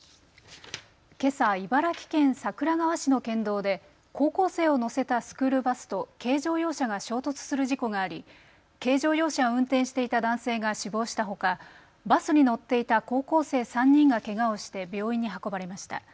けさ茨城県桜川市の県道で高校生を乗せたスクールバスと軽乗用車が衝突する事故があり軽乗用車を運転していた男性が死亡したほかバスに乗っていた高校生３人がけがをして病院に運ばれました。